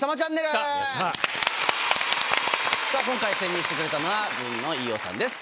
今回潜入してくれたのはずんの飯尾さんです。